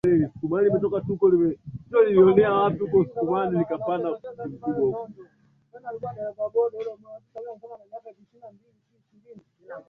fiti Athari ya unywaji wake ulisababisha mke wake na mtoto kukimbia